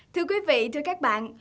thưa quý vị thưa các bạn